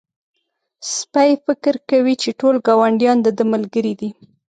سپی فکر کوي چې ټول ګاونډيان د ده ملګري دي.